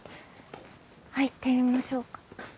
入ってみましょうか。